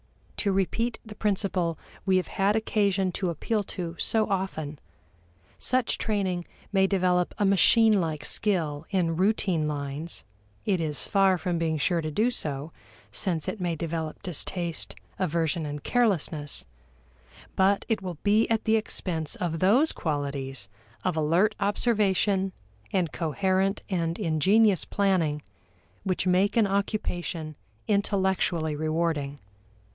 To repeat the principle we have had occasion to appeal to so often, such training may develop a machine like skill in routine lines (it is far from being sure to do so, since it may develop distaste, aversion, and carelessness), but it will be at the expense of those qualities of alert observation and coherent and ingenious planning which make an occupation intellectually rewarding.